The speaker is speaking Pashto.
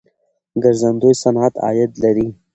ګرځندوی صنعت عاید لري.